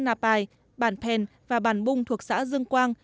nà pài bản thèn và bản bung thuộc xã dương quang